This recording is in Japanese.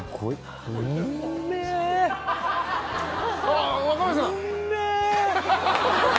あっ若林さん。